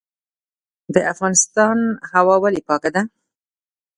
د افغانستان هوا ولې پاکه ده؟